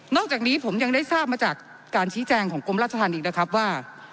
จากนี้ผมยังได้ทราบมาจากการชี้แจงของกรมราชธรรมอีกนะครับว่า